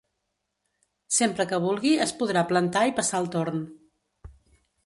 Sempre que vulgui es podrà plantar i passar el torn.